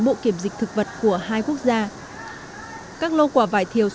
tôi nghĩ bạn cần có một loại bảo vệ